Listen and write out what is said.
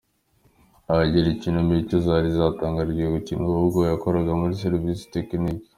Ahagera Ikinamico zari zitaratangira gukinwa ahubwo yakoraga muri serivisi tekiniki.